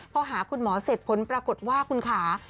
พอหาคุณหมอเสร็จผลปรากฏว่าคุณขา